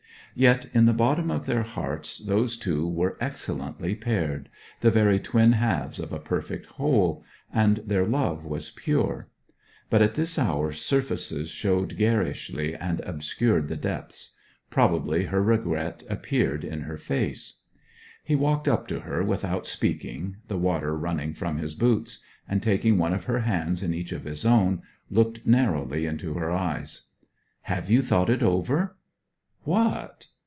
Yet in the bottom of their hearts those two were excellently paired, the very twin halves of a perfect whole; and their love was pure. But at this hour surfaces showed garishly, and obscured the depths. Probably her regret appeared in her face. He walked up to her without speaking, the water running from his boots; and, taking one of her hands in each of his own, looked narrowly into her eyes. 'Have you thought it over?' 'What?'